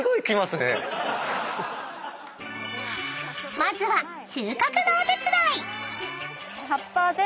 ［まずは収穫のお手伝い］